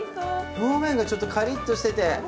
表面がちょっとカリッとしてて。